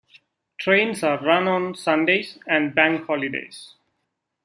Trains are run on Sundays and bank holidays.